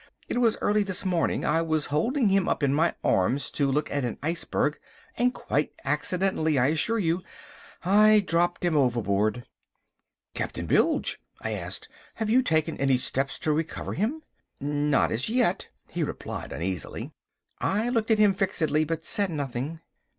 It was early this morning. I was holding him up in my arms to look at an iceberg and, quite accidentally I assure you—I dropped him overboard." "Captain Bilge," I asked, "have you taken any steps to recover him?" "Not as yet," he replied uneasily. I looked at him fixedly, but said nothing.